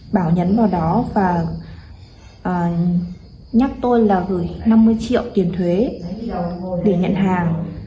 bảo nhắn vào đó và nhắc tôi là gửi năm mươi triệu tiền thuế để nhận hàng